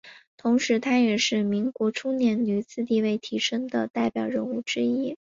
同时她也是民国初年女子地位提升的代表人物之一。